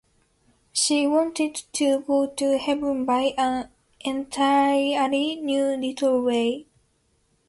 She wanted to go to heaven by an entirely new little way.